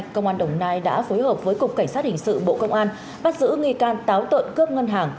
công an đồng nai đã phối hợp với cục cảnh sát hình sự bộ công an bắt giữ nghi can táo tợn cướp ngân hàng